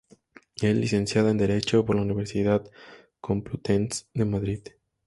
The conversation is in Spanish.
Es Licenciada en Derecho por la Universidad Complutense de Madrid.